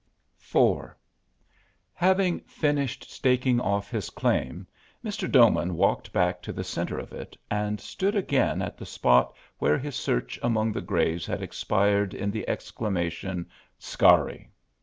IV Having finished staking off his claim Mr. Doman walked back to the centre of it and stood again at the spot where his search among the graves had expired in the exclamation, "Scarry."